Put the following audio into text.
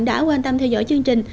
đã quan tâm theo dõi chương trình